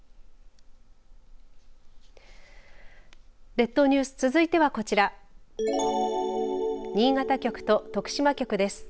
列島ニュース続いてはこちら新潟局と徳島局です。